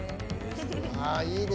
ああいいね。